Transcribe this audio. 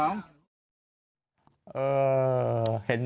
นี้เล็ก๗๒